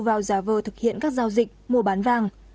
vào giả vờ thực hiện các giao dịch mua bán vàng